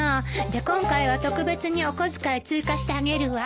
じゃ今回は特別にお小遣い追加してあげるわ。